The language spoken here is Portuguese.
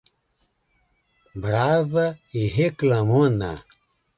Brava e reclamona